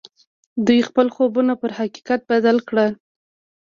دوی خپل خوبونه پر حقيقت بدل کړل.